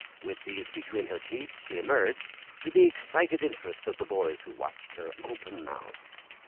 With these between her teeth she emerged, to the excited interest of the boys who watched her open mouthed.